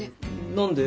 何で？